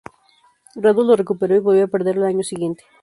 Radu lo recuperó y volvió a perderlo al año siguiente.